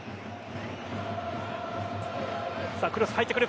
クロス入ってくる。